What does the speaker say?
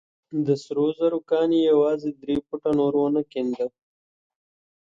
د سرو زرو کان يې يوازې درې فوټه نور ونه کينده.